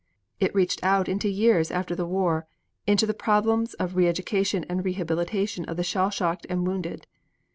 It reached out into years after the war into the problems of re education and re habilitation of the shell shocked and the wounded.